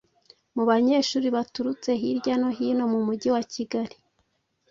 Mu banyeshuri baturutse hirya no hino mu mujyi wa Kigali